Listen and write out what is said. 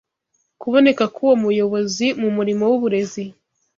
Kuboneka k’uwo muyobozi mu murimo w’uburezi